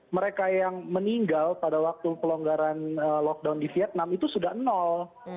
mereka yang meninggal pada waktu pelonggaran lockdown di vietnam itu sudah nol